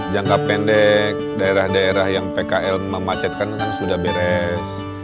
jangka pendek daerah daerah yang pkl memacet kan sudah beres